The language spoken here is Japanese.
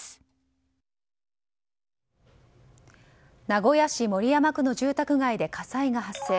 名古屋市守山区の住宅街で火災が発生。